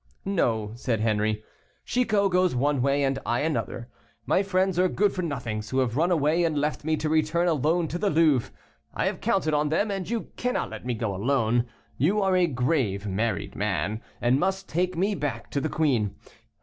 "No," said Henri, "Chicot goes one way, and I another. My friends are good for nothings, who have run away and left me to return alone to the Louvre. I had counted on them, and you cannot let me go alone. You are a grave married man, and must take me back to the queen.